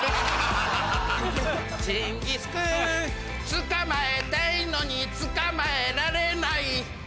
チンギスくん捕まえたいのに捕まえられない